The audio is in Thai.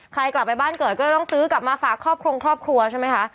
ใครกลับไปบ้านเกิดก็ต้องซื้อกลับมาฝากครอบครัวใช่ไหมคะ